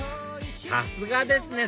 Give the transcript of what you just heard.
さすがですね！